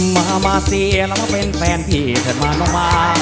มามาสิเราเป็นแฟนผีเธอมาต้องมา